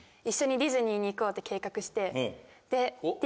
一緒にディズニーに行こうって計画して。